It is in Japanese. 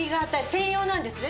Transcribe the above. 専用なんですね？